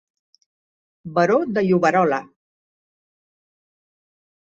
Baró de Lloberola.